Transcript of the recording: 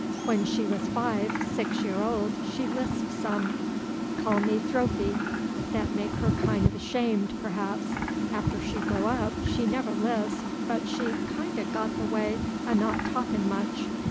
When she was five, six year old, she lisp some, call me Thophy; that make her kin' o' 'shamed, perhaps: after she grow up, she never lisp, but she kin' o' got the way o' not talkin' much.